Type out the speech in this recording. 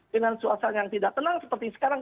dengan suasana yang tidak tenang seperti sekarang